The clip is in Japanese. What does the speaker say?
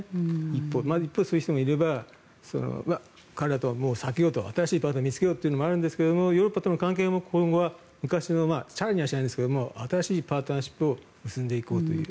一方、そういう人もいれば彼らとは避けようと新しいパートナーを見つけようというのもあるんですがヨーロッパとの関係はチャラにはしないんですが新しいパートナーシップを結んでいこうという。